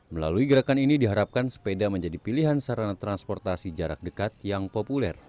melalui gerakan ini diharapkan sepeda menjadi pilihan sarana transportasi jarak dekat yang populer